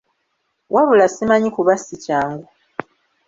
Wabula simanyi, kuba si kyangu.